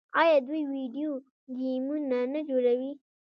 آیا دوی ویډیو ګیمونه نه جوړوي؟